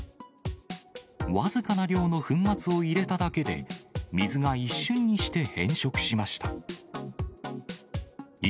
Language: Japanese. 僅かな量の粉末を入れただけで、水が一瞬にして変色しました。